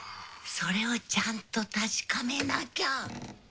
それをちゃんと確かめなきゃ！